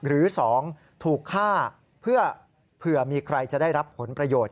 หรือ๒ถูกฆ่าเผื่อมีใครจะได้รับผลประโยชน์